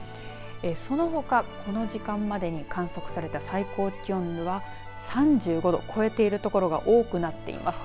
そのほか、この時間までに観測された最高気温は３５度、超えている所が多くなっています。